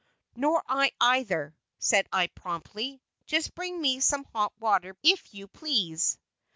"Nor I, either," said I, promptly; "just bring me some hot water, if you please."